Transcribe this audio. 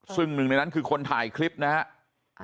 ซึ่งหนึ่งในนั้นคือคนถ่ายคลิปนะครับ